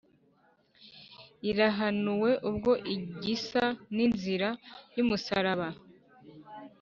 irahanuwe ubwo igisa ni nzira yumusaraba